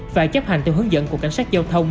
phải chấp hành theo hướng dẫn của cảnh sát giao thông